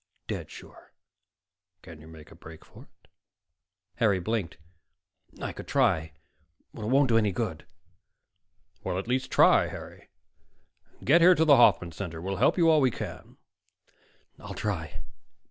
"Dead sure." "Can you make a break for it?" Harry blinked. "I could try. But it won't do any good." "Well, at least try, Harry. Get here to the Hoffman Center. We'll help you all we can." "I'll try."